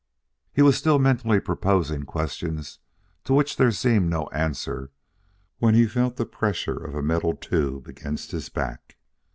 He was still mentally proposing questions to which there seemed no answer when he felt the pressure of a metal tube against his back.